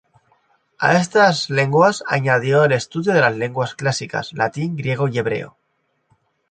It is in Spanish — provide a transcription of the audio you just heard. A estas lenguas añadió el estudio de las lenguas clásicas latín, griego, y hebreo.